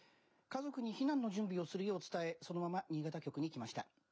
家族に避難の準備をするよう伝えそのまま新潟局に来ました。